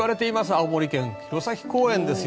青森県弘前公園です。